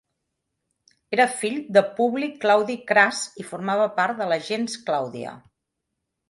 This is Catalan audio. Era fill de Publi Claudi Cras i formava part de la gens Clàudia.